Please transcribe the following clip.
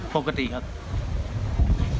ปกติครับ